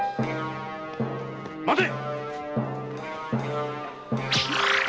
待て！